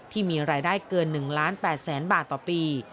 ที่มีรายได้เกิน๑๘๐๐๐๐๐บาทต่อปี